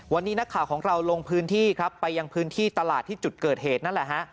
วันนี้นักข่าวของเราลงพื้นที่ครับไปยังพื้นที่ตลาดที่จุดเกิดเหตุนั่นแหละฮะ